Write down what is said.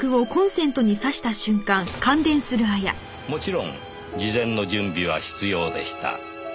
「もちろん事前の準備は必要でした」